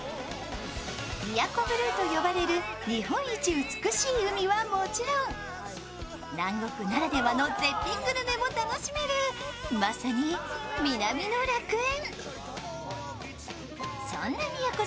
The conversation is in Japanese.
宮古ブルーと言われる日本一美しい海はもちろん、南国ならではの絶品グルメも楽しめるまさに南野楽園。